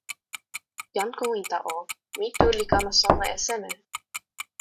jan Kowinta o, mi tu li kama sona e seme?